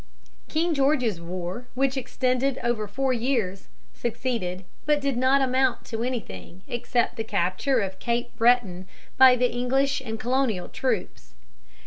] King George's War, which extended over four years, succeeded, but did not amount to anything except the capture of Cape Breton by English and Colonial troops.